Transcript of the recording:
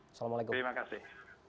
assalamualaikum terima kasih